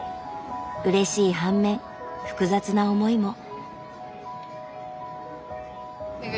うれしい半面複雑な思いも。